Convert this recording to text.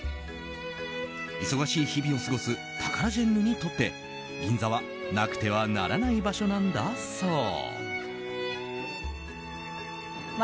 忙しい日々を過ごすタカラジェンヌにとって銀座はなくてはならない場所なんだそう。